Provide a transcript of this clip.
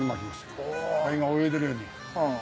アユが泳いでるように。